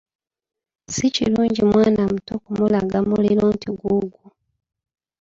Si kirungi mwana muto kumulaga muliro nti guugwo.